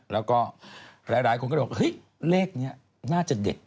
แล้วหลายคนก็เรียกว่าเห้ยเลขนี้น่าจะเด็ด